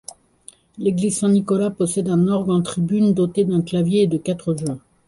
L'église Saint-Nicolas possède un orgue en tribune, doté d'un clavier et de quatre jeux.